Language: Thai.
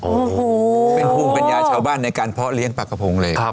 โอ้โหเป็นภูมิปัญญาชาวบ้านในการเพาะเลี้ยงปลากระพงเลย